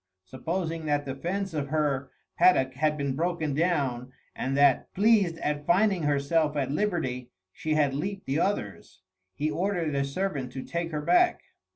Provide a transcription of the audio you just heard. Supposing that the fence of her paddock had been broken down, and that, pleased at finding herself at liberty, she had leaped the others, he ordered a servant to take her back.